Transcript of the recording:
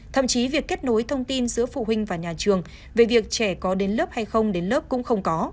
thậm chí việc kết nối thông tin giữa phụ huynh và nhà trường về việc trẻ có đến lớp hay không đến lớp cũng không có